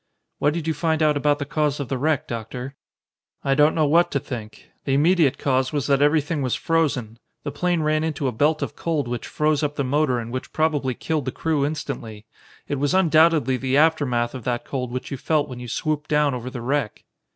"What did you find out about the cause of the wreck, Doctor?" "I don't know what to think. The immediate cause was that everything was frozen. The plane ran into a belt of cold which froze up the motor and which probably killed the crew instantly. It was undoubtedly the aftermath of that cold which you felt when you swooped down over the wreck."